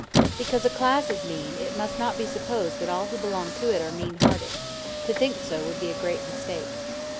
*a Because a class is mean, it must not be supposed that all who belong to it are mean hearted; to think so would be a great mistake.